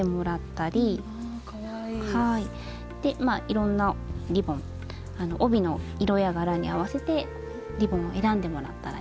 いろんなリボン帯の色や柄に合わせてリボンを選んでもらったらいいですね。